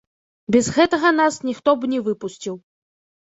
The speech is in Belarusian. Без гэтага нас ніхто б не выпусціў.